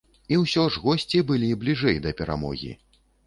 І ўсё ж госці былі бліжэй да перамогі.